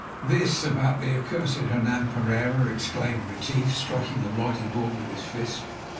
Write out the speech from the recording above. "This about the accursed Hernan Pereira," exclaimed Retief, striking the writing board with his fist.